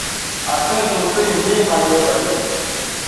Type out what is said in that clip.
اسئیں توسئیں ھے مہ یے بزے